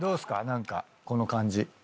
何かこの感じ。